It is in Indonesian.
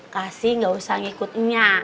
kasih gak usah ngikut nya